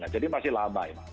jadi masih lama ya